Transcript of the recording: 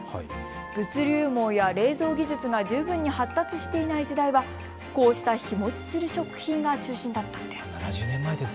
物流網や冷蔵技術が十分に発達していない時代はこうした日もちする食品が中心だったんです。